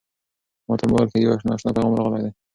ما ته په موبایل کې یو نااشنا پیغام راغلی دی.